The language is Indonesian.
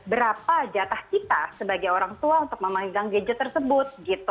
berapa jatah kita sebagai orang tua untuk memegang gadget tersebut